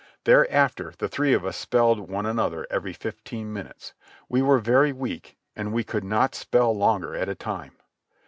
Thereafter the three of us spelled one another every fifteen minutes. We were very weak and we could not spell longer at a time.